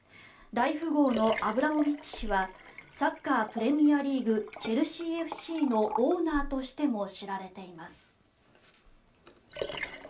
大富豪のアブラモビッチ氏はサッカープレミアリーグチェルシーＦＣのオーナーとしても知られています。